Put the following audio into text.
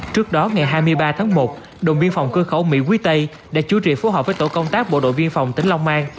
trước đó ngày hai mươi ba tháng một đồng biên phòng cơ khẩu mỹ quý tây đã chú trị phối hợp với tổ công tác bộ đội biên phòng tỉnh long an